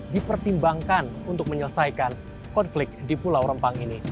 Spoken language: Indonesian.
dipertimbangkan untuk menyelesaikan konflik di pulau rempang ini